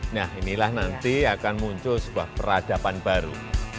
nah inilah nanti akan muncul sebuah peradaban baru